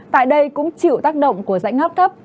tại đây cũng chịu tác động của dãy ngóc thấp